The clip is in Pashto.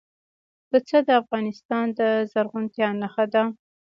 پسه د افغانستان د زرغونتیا نښه ده.